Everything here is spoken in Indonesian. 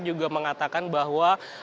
juga mengatakan bahwa